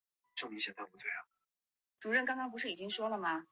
有研究将少孢根霉视为的变种。